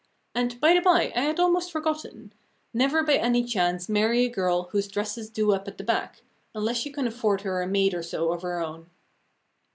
And, by the bye, I had almost forgotten! Never by any chance marry a girl whose dresses do up at the back, unless you can afford her a maid or so of her own.